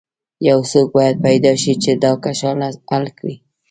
یو څوک باید پیدا شي چې دا کشاله حل کړي.